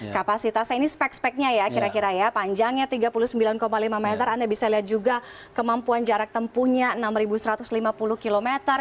kapasitasnya ini spek speknya ya kira kira ya panjangnya tiga puluh sembilan lima meter anda bisa lihat juga kemampuan jarak tempuhnya enam satu ratus lima puluh km